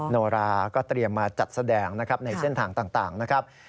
โนราก็เตรียมมาจัดแสดงนะครับในเส้นทางต่างนะครับ